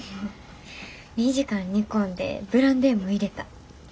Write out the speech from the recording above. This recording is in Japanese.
２時間煮込んでブランデーも入れた。